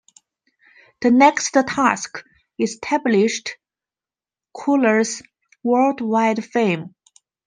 The next task established Kuhler's worldwide fame.